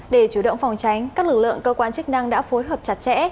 để chủ động phòng tránh các lực lượng cơ quan chức năng đã phối hợp chặt chẽ